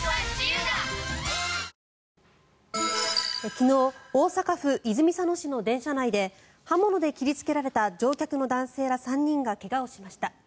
昨日、大阪府泉佐野市の電車内で刃物で切りつけられた乗客の男性ら３人が怪我をしました。